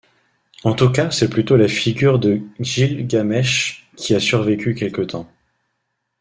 En tout cas c'est plutôt la figure de Gilgamesh qui a survécu quelque temps.